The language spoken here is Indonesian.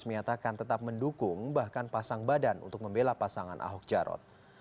semiat akan tetap mendukung bahkan pasang badan untuk membela pasangan ahuk jarot